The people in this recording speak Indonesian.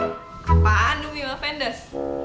apaan ini mah pendos